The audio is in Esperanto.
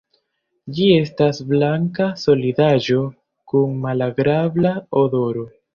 Ĝi estas blanka solidaĵo kun malagrabla odoro.